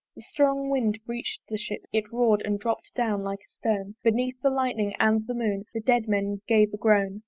The strong wind reach'd the ship: it roar'd And dropp'd down, like a stone! Beneath the lightning and the moon The dead men gave a groan.